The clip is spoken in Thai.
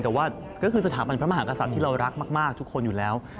แต่ว่าก็คือสถาบันพระมหากษัตริย์ที่เรารักมากทุกคนอยู่แล้ว